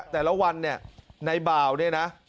แต่ละวันในบ่าวนี้นะ